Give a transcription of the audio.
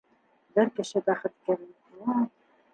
Бер кеше бәхеткә менһә